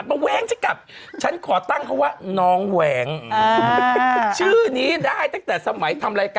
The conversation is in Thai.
ด้วยกันที่ช่องกัม